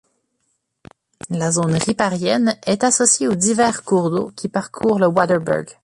La zone riparienne est associée aux divers cours d'eau qui parcourent le Waterberg.